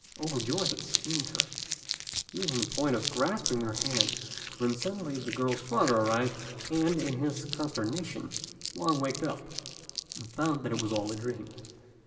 Overjoyed at seeing her, he was on the point of grasping her hand, when suddenly the girl's father arrived, and, in his consternation, Wang waked up, and found that it was all a dream.